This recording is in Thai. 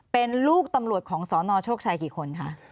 เป็นลูกตำรวจของสนโชคชัยกี่คนคะ